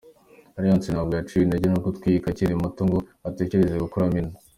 Alliance ntabwo yaciwe intege no gutwita akiri muto ngo atekereze gukuramo inda.